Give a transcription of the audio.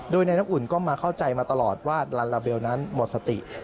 โดยในน้ำอุ่นก็มาเข้าใจมาตลอดว่าลัลลาเบลนั้นหมดสติ